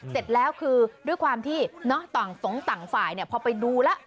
เสร็จแล้วคือด้วยความที่ต่างฝ่ายพอไปดูแล้ว